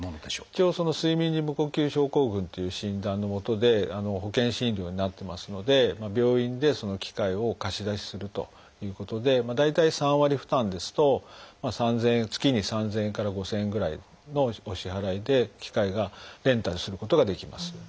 一応睡眠時無呼吸症候群っていう診断のもとで保険診療になってますので病院でその機械を貸し出しするということで大体３割負担ですと月に３，０００円から５，０００円ぐらいのお支払いで機械がレンタルすることができます。